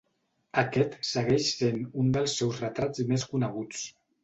Aquest segueix sent un dels seus retrats més coneguts.